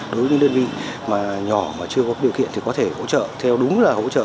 đối với những đơn vị mà nhỏ mà chưa có điều kiện thì có thể hỗ trợ theo đúng là hỗ trợ